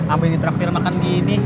ambil ditraktir makan gini